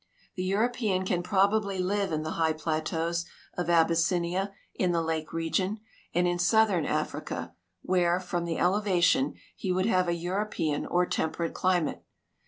The European can })robably live in the high plateaus of Abys sinia, in the Lake region, and in southern Africa, where, from the elevation, he would have a Euro])ean or temperate climate.